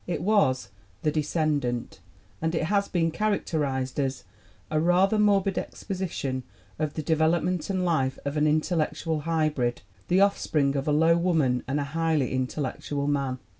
It was The Descendant, and it has been characterized as "a rather morbid exposition of the development and life of an intellectual hybrid, the off spring of a low woman and a highly intellectual man."